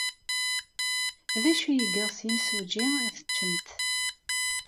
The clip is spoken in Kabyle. D acu ay yeɣs yimsujji ad t-teččemt?